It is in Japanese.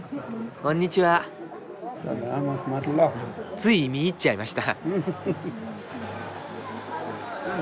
つい見入っちゃいました。